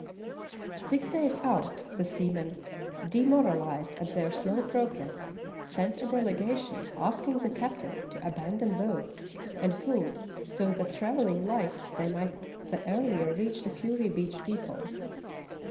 Six days out the seamen, demoralized at their slow progress, sent a delegation asking the captain to aban don boats and food so that travelling light they might the earlier reach the Fury Beach depot.